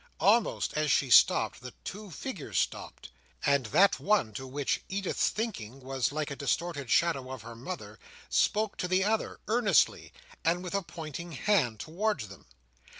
Almost as she stopped, the two figures stopped; and that one which to Edith's thinking was like a distorted shadow of her mother, spoke to the other, earnestly, and with a pointing hand towards them.